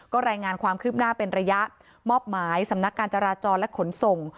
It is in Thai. ก็รายงานความคืบหน้าเป็นระยะมอบหมายสำนักการจราจรและขนส่ง